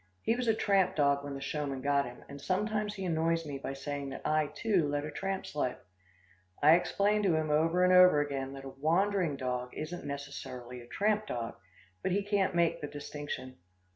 He was a tramp dog when the showman got him, and sometimes he annoys me by saying that I, too, led a tramp's life. I explain to him over and over again, that a wandering dog isn't necessarily a tramp dog, but he can't make the distinction.